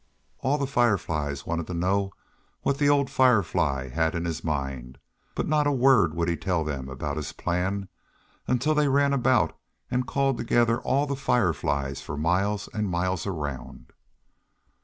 All the Fireflies wanted to know what the old Firefly had in his mind, but not a word would he tell them about his plan until they ran about and called together all the Fireflies for miles and miles around.